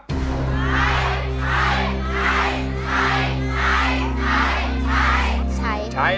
ใช้ใช้ใช้ใช้ใช้ใช้ใช้ใช้